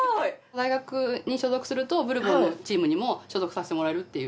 大学に所属するとブルボンのチームにも所属させてもらえるっていう。